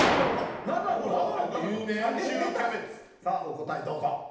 さあお答えどうぞ。